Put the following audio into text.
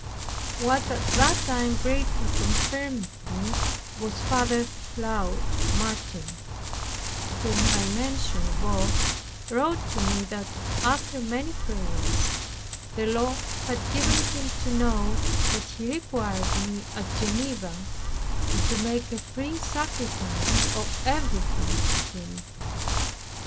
What at that time greatly confirmed me was Father Claude Martin, whom I mentioned above, wrote to me that, after many prayers, the Lord had given him to know that He required me at Geneva, and to make a free sacrifice of everything to Him.